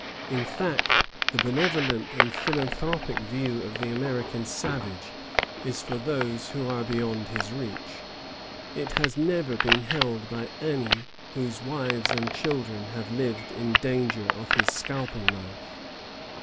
In fact, the benevolent and philanthropic view of the American savage is for those who are beyond his reach: it has never yet been held by any whose wives and children have lived in danger of his scalping knife.